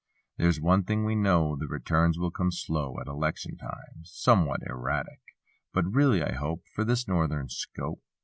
There's one thing we know. The returns will come slow At election times—somewhat erratic; But really, I hope. For this northern scope.